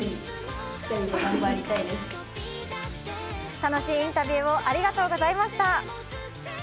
楽しいインタビューをありがとうございました。